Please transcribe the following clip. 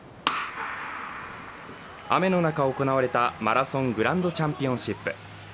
雨の中行われたマラソングランドチャンピオンシップ。